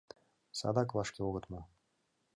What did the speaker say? Садак вашке огыт му.